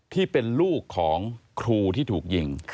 ที่เป็นลูกของครูที่ถูกยิง